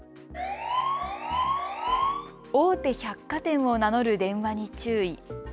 大手百貨店を名乗る電話に注意。